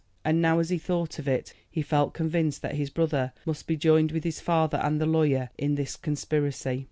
And now, as he thought of it, he felt convinced that his brother must be joined with his father and the lawyer in this conspiracy.